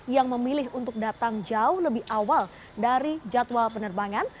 yang memilih untuk datang jauh lebih awal dari jadwal penerbangan